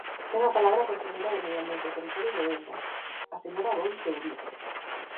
Ten a palabra conselleira de Medio Ambiente, Territorio e Vivenda, a señora Aboi Touriz.